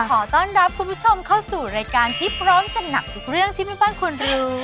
ขอต้อนรับคุณผู้ชมเข้าสู่รายการที่พร้อมจัดหนักทุกเรื่องที่แม่บ้านควรรู้